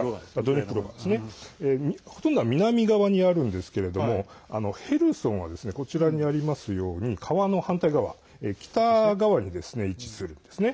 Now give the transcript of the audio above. ほとんどは南側にあるんですけれどもヘルソンはこちらにありますように川の反対側北側に位置するんですね。